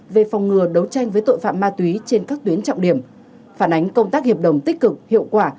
về phòng ngừa đấu tranh với tội phạm ma túy trên các tuyến trọng điểm phản ánh công tác hiệp đồng tích cực hiệu quả